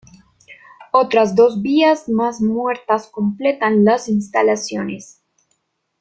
Otras dos vías más muertas, completan las instalaciones.